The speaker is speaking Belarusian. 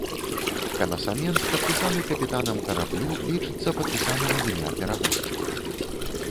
Канасамент, падпісаны капітанам караблю, лічыцца падпісаным ад імя перавозчыка.